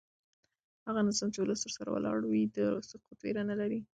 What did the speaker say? هغه نظام چې ولس ورسره ولاړ وي د سقوط ویره نه لري